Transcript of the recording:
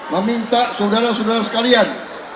meminta saudara saudara sekalian